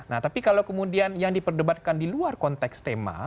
nah tapi kalau kemudian yang diperdebatkan di luar konteks tema